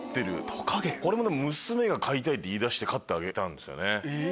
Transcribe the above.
トカゲ⁉娘が飼いたいって言い出して飼ってあげたんですよね。